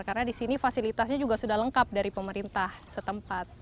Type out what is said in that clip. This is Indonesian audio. karena di sini fasilitasnya juga sudah lengkap dari pemerintah setempat